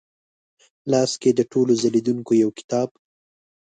لاس کې د ټولو ځلېدونکې یوکتاب،